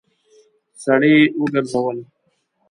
سړی وګرځول.